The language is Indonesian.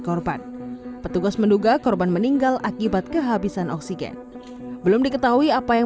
korban petugas menduga korban meninggal akibat kehabisan oksigen belum diketahui apa yang